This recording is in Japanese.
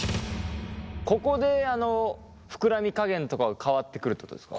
ここでふくらみ加減とかが変わってくるってことですか？